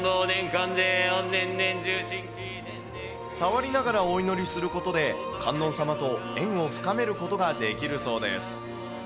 触りながらお祈りすることで、観音様と縁を深めることができるそうです。